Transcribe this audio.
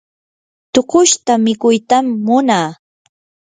tuqushta mikuytam munaa.